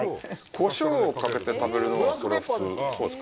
胡椒をかけて食べるのは、それは、普通、そうですか。